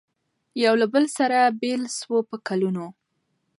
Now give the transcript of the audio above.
یو له بله سره بېل سو په کلونو